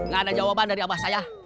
gak ada jawaban dari abah saya